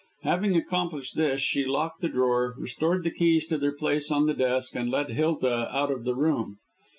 Having accomplished this she locked the drawer, restored the keys to their place on the desk, and led Hilda out of the room.